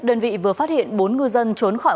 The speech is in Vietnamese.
đơn vị vừa phát hiện bốn ngư dân trốn khỏi